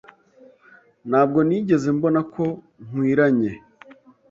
Ntabwo nigeze mbona ko nkwiranye.